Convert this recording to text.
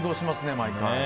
毎回。